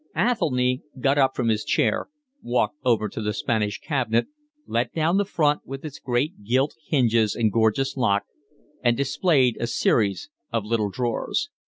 Athelny got up from his chair, walked over to the Spanish cabinet, let down the front with its great gilt hinges and gorgeous lock, and displayed a series of little drawers.